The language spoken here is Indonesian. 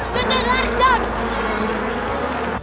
jangan lari jangan